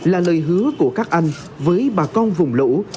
là lời hứa của các anh với bà con vùng lũ